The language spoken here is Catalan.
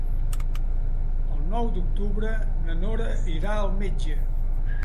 El nou d'octubre na Nora irà al metge.